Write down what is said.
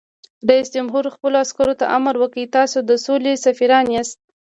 رئیس جمهور خپلو عسکرو ته امر وکړ؛ تاسو د سولې سفیران یاست!